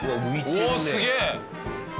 おおすげえ！